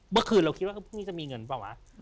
เมื่อคืนเราคิดว่าพวกนี้จะมีเงินหรือเปล่า